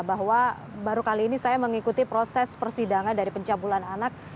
bahwa baru kali ini saya mengikuti proses persidangan dari pencabulan anak